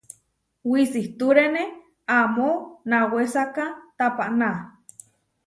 Wisitúrene amó nawésaka tapaná.